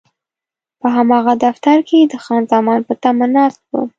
په هماغه دفتر کې د خان زمان په تمه ناست وم.